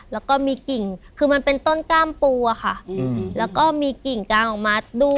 แล้วก็มีกิ่งคือมันเป็นต้นกล้ามปูอะค่ะแล้วก็มีกิ่งกางออกมาดู